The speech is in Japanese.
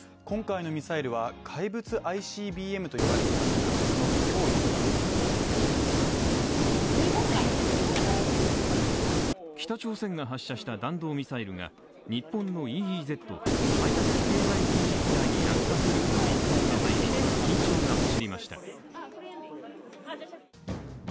今回のミサイルは怪物ＩＣＢＭと呼ばれていますがその脅威とは北朝鮮が発射した弾道ミサイルが日本のＥＥＺ＝排他的経済水域内に落下するとの一方が入り緊張が走りました。